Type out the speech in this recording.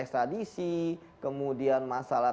tradisi kemudian masalah